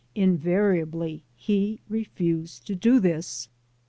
Invariably he refused to do this.